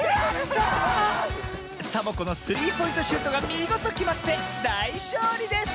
サボ子のスリーポイントシュートがみごときまってだいしょうりです！